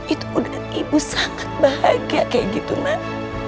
itu udah ibu sangat bahagia kayak gitu man